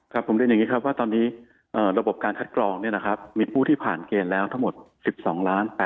ครับผมเรียนยังบอกว่าตอนนี้ระบบการทัดกรองเนี่ยนะครับมีผู้ที่ผ่านเกณฑ์แล้วทั้งหมด๑๒๘๐๐๐๐๐คน